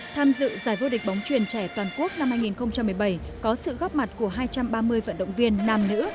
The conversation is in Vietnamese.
tham dự giải vô địch bóng truyền trẻ toàn quốc năm hai nghìn một mươi bảy có sự góp mặt của hai trăm ba mươi vận động viên nam nữ